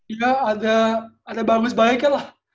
ya ada bagus baiknya lah